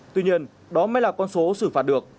tuy nhiên đó mới là con số xử phạt được